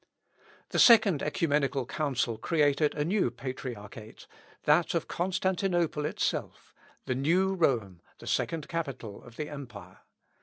The second ecumenical Council created a new patriarchate, that of Constantinople itself, the new Rome, the second capital of the empire.